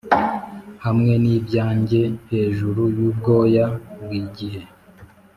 hamwe n'ibyanjye hejuru yubwoya bwigihe;